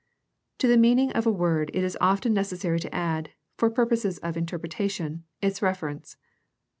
To the meaning of a word it is often necessary to add, for purposes of interpretation, its reference.